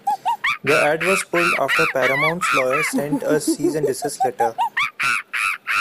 The ad was pulled after Paramount's lawyers sent a cease-and-desist letter.